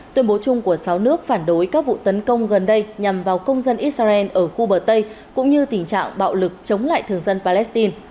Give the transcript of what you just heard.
tuyên bố chung của sáu nước phản đối các vụ tấn công gần đây nhằm vào công dân israel ở khu bờ tây cũng như tình trạng bạo lực chống lại thường dân palestine